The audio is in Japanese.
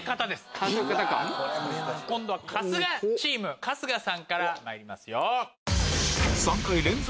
今度は春日チーム春日さんからまいりますよ。